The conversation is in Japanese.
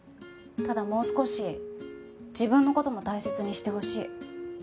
ただもう少し自分の事も大切にしてほしい。